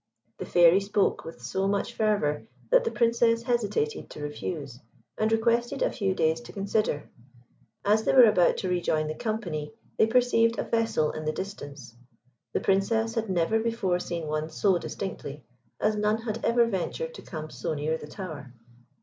The Fairy spoke with so much fervour, that the Princess hesitated to refuse, and requested a few days to consider. As they were about to rejoin the company, they perceived a vessel in the distance. The Princess had never before seen one so distinctly, as none had ever ventured to come so near the Tower.